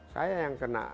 saya yang kena